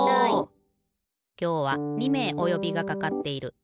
きょうは２めいおよびがかかっている。